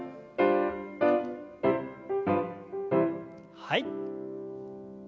はい。